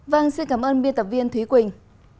vâng xin cảm ơn biên tập viên thúy quỳnh